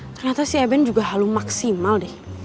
ternyata si ebene juga halu maksimal deh